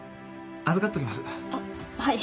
あっはい。